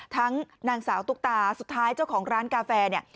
ทั้งนางสาวตุ๊กตาสุดท้ายเจ้าของร้านกาแฟเนี่ย